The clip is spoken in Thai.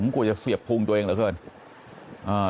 กลัวจะเสียบพุงตัวเองเหลือเกิน